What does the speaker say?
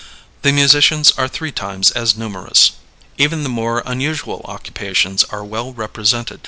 The musicians are three times as numerous. Even the more unusual occupations are well represented.